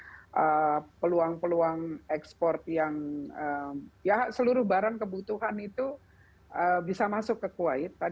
jadi peluang peluang ekspor yang ya seluruh barang kebutuhan itu bisa masuk ke kuwait